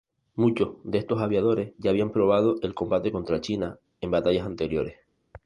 Muchos de estos aviadores ya habían probado el combate contra China en batallas anteriores.